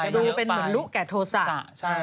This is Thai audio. ดูเป็นเหมือนรู้แก่โทษะ